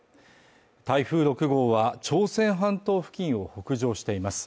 台風６号は朝鮮半島付近を北上しています